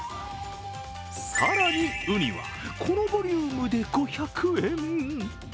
更に、うにはこのボリュームで５００円。